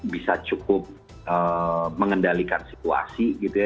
bisa cukup mengendalikan situasi gitu ya